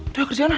udah kerjain lah